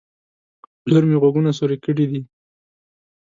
لور مې غوږونه سوروي کړي دي